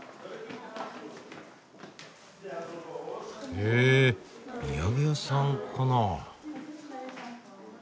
へえ土産屋さんかな。